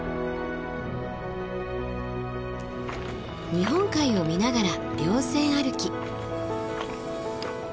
日本海を見ながら稜線歩き。